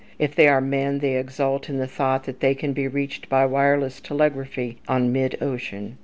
If they are men, they exult in the thought that they can be reached by wireless telegraphy on mid ocean.